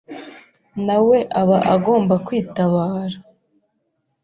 nawe aba agomba kwitabara.